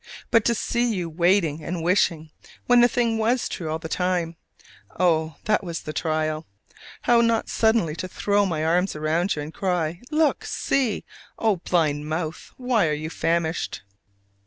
But to see you waiting and wishing, when the thing was true all the time: oh! that was the trial! How not suddenly to throw my arms round you and cry, "Look, see! O blind mouth, why are you famished?"